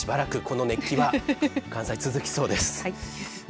しばらくこの熱気は関西、続きそうです。